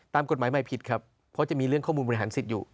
ตามกฎหมายใหม่ผิดครับเพราะจะมีเรื่องข้อมูลบริหารสิทธิ์อยู่